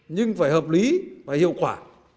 nhưng phải hợp lý và hiệu quả